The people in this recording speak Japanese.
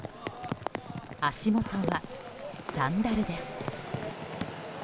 足元はサンダルです。